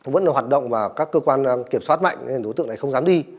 vẫn là hoạt động và các cơ quan kiểm soát mạnh nên đối tượng này không dám đi